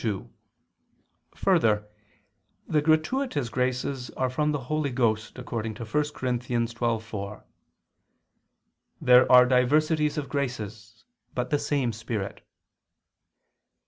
2: Further, the gratuitous graces are from the Holy Ghost, according to 1 Cor. 12:4, "There are diversities of graces, but the same Spirit."